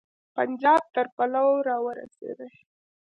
پنجاب تر پولو را ورسېدی.